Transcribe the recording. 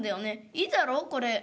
いいだろう？これ」。